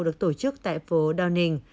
được tổ chức tại phố downing